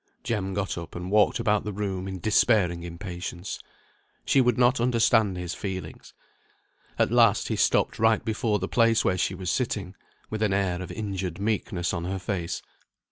Jem got up, and walked about the room in despairing impatience. She would not understand his feelings. At last he stopped right before the place where she was sitting, with an air of injured meekness on her face.